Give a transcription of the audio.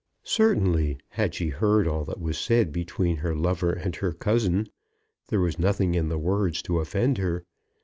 Certainly, had she heard all that was said between her lover and her cousin, there was nothing in the words to offend her.